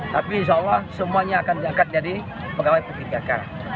tapi insya allah semuanya akan diangkat jadi pegawai pppk